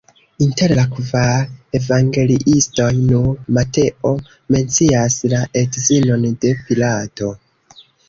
Inter la kvar evangeliistoj nur Mateo mencias la edzinon de Pilato.